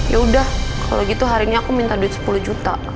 ya udah kalau gitu hari ini aku minta duit sepuluh juta